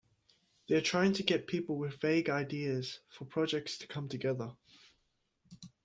They're trying to get people with vague ideas for projects to come together.